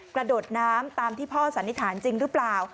กระโดดน้ำตามที่พ่อสันนิษฐานจริงหรือเปล่า